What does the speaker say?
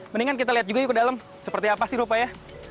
mendingan kita lihat juga yuk ke dalam seperti apa sih rupa ya